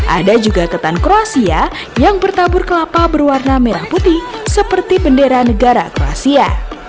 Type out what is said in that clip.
ada juga ketan kroasia yang bertabur kelapa berwarna merah putih seperti bendera negara kroasia